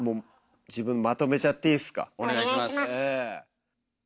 お願いします。